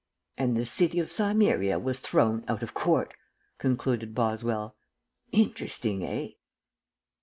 "And the city of Cimmeria was thrown out of court," concluded Boswell. "Interesting, eh?"